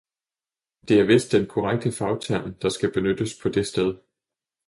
Det er vist den korrekte fagterm, der skal benyttes på det sted.